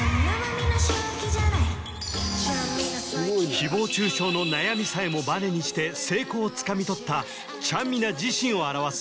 誹謗中傷の悩みさえもバネにして成功をつかみとったちゃんみな自身を表す